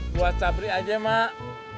buat sapri aja mak